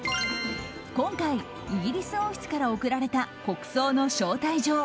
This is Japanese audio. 今回、イギリス王室から送られた国葬の招待状。